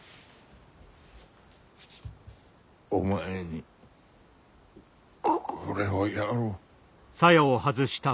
お前にこれをやろう。